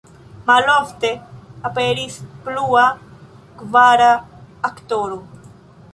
Malofte aperis plua, kvara aktoro.